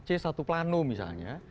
c satu planu misalnya